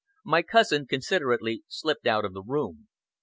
My cousin considerately slipped out of the room.